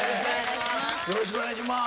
よろしくお願いします。